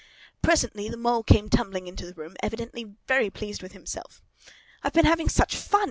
Presently the Mole came tumbling into the room, evidently very pleased with himself. "I've been having such fun!"